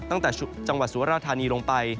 ตั้งแต่จังหวัดสุราธานีลงไป